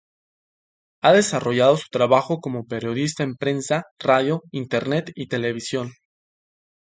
Ha desarrollado su trabajo como periodista en prensa, radio, internet y televisión.